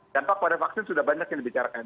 dampak pada vaksin sudah banyak yang dibicarakan